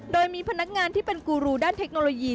โดยมีพนักงานที่เป็นกูรูด้านเทคโนโลยี